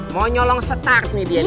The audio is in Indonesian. mau nyolong start nih dia nih